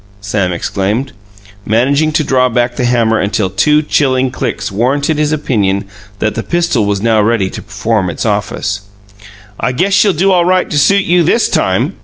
Sam exclaimed, managing to draw back the hammer until two chilling clicks warranted his opinion that the pistol was now ready to perform its office. "I guess she'll do all right to suit you THIS time!"